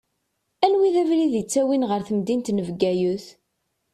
Anwa i d abrid ittawin ɣer temdint n Bgayet?